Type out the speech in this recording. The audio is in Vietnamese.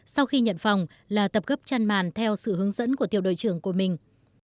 sau khi nhận phòng là tập gấp chăn màn theo sự hướng dẫn của tiểu đội trưởng của mình